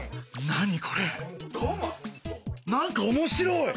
何これ何か面白い。